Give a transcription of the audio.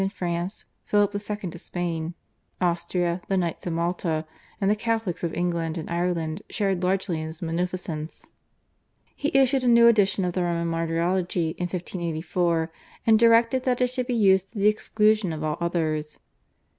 in France, Philip II. of Spain, Austria, the Knights of Malta, and the Catholics of England and Ireland shared largely in his munificence. He issued a new edition of the Roman Martyrology in 1584, and directed that it should be used to the exclusion of all others.